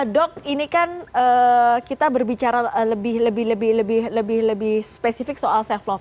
dok ini kan kita berbicara lebih lebih lebih lebih lebih spesifik soal self love